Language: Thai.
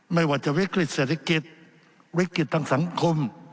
ไม่ว่าจะวิกฤตเศรษฐกิจวิกฤติทางสังคม